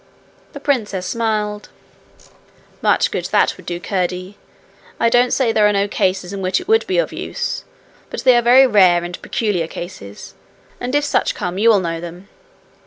The princess smiled. 'Much good that would do, Curdie! I don't say there are no cases in which it would be of use, but they are very rare and peculiar cases, and if such come you will know them.